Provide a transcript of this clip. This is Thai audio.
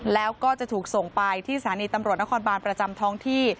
แล้วก็จะถูกส่งไปที่สถานีตำรวจนครบานประจำท้องที่